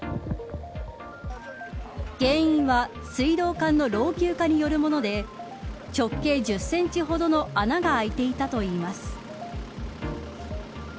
原因は水道管の老朽化によるもので直径１０センチほどの穴が開いていたといいます。